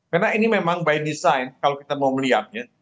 karena ini memang by design kalau kita mau melihat ya